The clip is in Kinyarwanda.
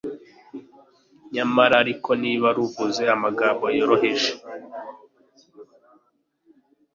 nyamara ariko niba ruvuze amagambo yoroheje